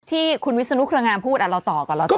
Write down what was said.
ที่คุณวิศนุครินามาพูดอ่ะเราต่อก่อน